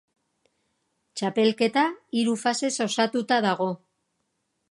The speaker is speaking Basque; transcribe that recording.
Txapelketa hiru fasez osatuta dago.